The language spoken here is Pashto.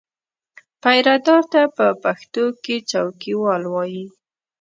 پیرهدار ته په پښتو کې څوکیوال وایي.